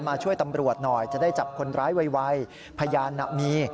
ช่วยตำรวจหน่อยจะได้จับคนร้ายไวพยานน่ะมี